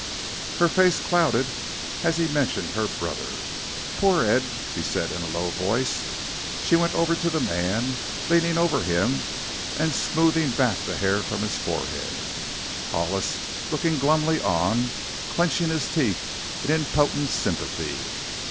Her face clouded as he mentioned her brother. "Poor Ed," she said in a low voice. She went over to the man, leaning over him and smoothing back the hair from his forehead, Hollis looking glumly on, clenching his teeth in impotent sympathy.